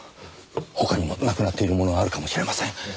他にもなくなっているものがあるかもしれません。